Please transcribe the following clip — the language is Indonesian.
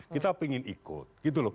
kita ingin ikut gitu loh